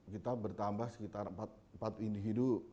kita bertambah sekitar empat individu